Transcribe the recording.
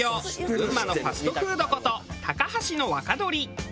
群馬のファストフードこと高橋の若どり。